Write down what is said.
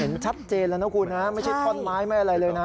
เห็นชัดเจนแล้วนะคุณนะไม่ใช่ท่อนไม้ไม่อะไรเลยนะ